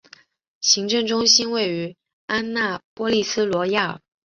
行政中心位于安纳波利斯罗亚尔。